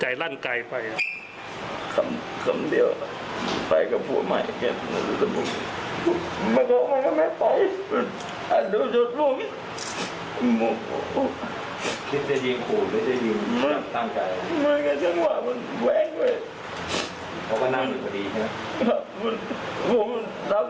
ยิงนักเดียวใช่ไหมครับ